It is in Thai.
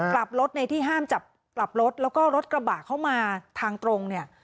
กลับรถในที่ห้ามจับกลับรถแล้วก็รถกระบะเข้ามาทางตรงเนี่ย